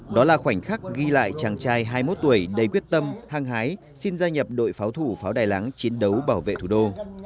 đó là khoảnh khắc ghi lại chàng trai hai mươi một tuổi đầy quyết tâm hăng hái xin gia nhập đội pháo thủ pháo đài láng chiến đấu bảo vệ thủ đô